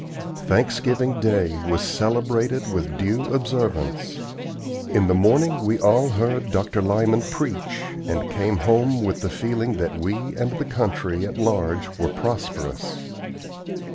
Thanksgiving Day was celebrated with due observance. In the morning we all heard Dr. Lyman preach, and came home with the feeling that we and the country at large were prosperous.